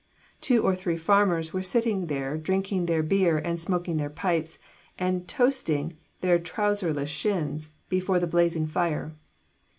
Two or three farmers were sitting there drinking their beer and smoking their pipes, and toasting their trouserless shins before the blazing fire.